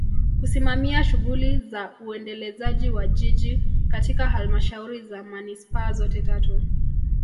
Kusimamia shughuli za uendelezaji wa Jiji katika Halmashauri za Manispaa zote tatu